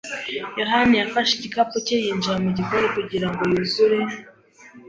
yohani yafashe igikapu cye yinjira mu gikoni kugira ngo yuzure.